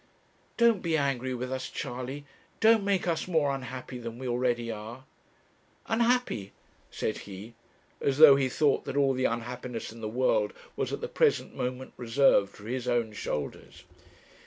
'Don't be angry with us, Charley; don't make us more unhappy than we already are.' 'Unhappy!' said he, as though he thought that all the unhappiness in the world was at the present moment reserved for his own shoulders.